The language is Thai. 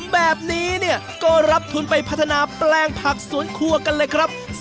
แบบนี้เนี่ยก็รับทุนไปพัฒนาแปลงผักสวนครัวกันเลยครับ